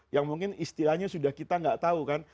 yang mungkin istilahnya sudah kita nggak tahu kan